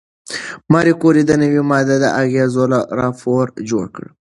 ماري کوري د نوې ماده د اغېزو راپور جوړ کړ.